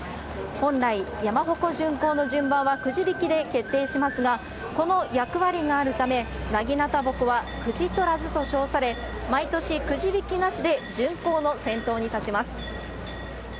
本来、山鉾巡行の順はくじ引きで決定しますが、この役割があるため、なぎなた鉾はくじ取らずと称され、毎年くじ引きなしで巡行の先頭に立ちます。